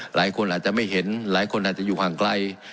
หลายคนอาจจะไม่เห็นหลายคนอาจจะอยู่ห่างไกล